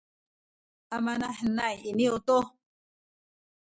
amanahenay iniyu tu